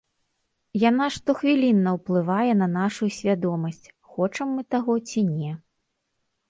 Яна штохвілінна ўплывае на нашую свядомасць, хочам мы таго ці не.